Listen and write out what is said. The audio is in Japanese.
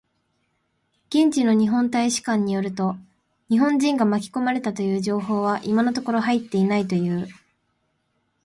現地の日本大使館によると、日本人が巻き込まれたという情報は今のところ入っていないという。